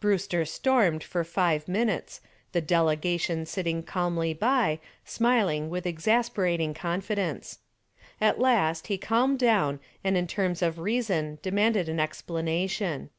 Brewster stormed for five minutes, the "delegation" sitting calmly by, smiling with exasperating confidence. At last he calmed down and in terms of reason demanded an explanation.